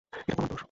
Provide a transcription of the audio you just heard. এটা তোমার দোষ।